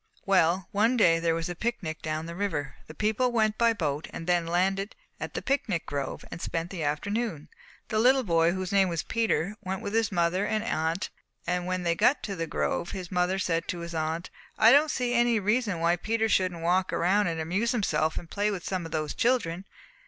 "Well, one day there was a picnic down the river. The people went by boat and then landed at the picnic grove, and spent the afternoon. The little boy, whose name was Peter, went with his mother and aunt, and when they got to the grove his mother said to his aunt, 'I don't see any reason why Peter shouldn't walk around and amuse himself and play with some of those children.'